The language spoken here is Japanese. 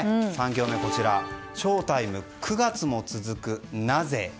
３行目はショータイム、９月も続くなぜ？